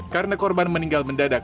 karena korban meninggal mendadak